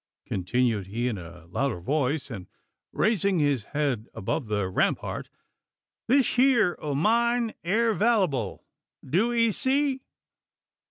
continued he in a louder voice, and raising his head above the rampart "this heer o' mine air vallable, do ee see?